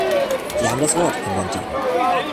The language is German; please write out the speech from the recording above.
Sie haben das Wort, Herr Monti.